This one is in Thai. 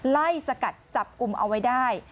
ไล่สกัดจับกุมเอาไว้ได้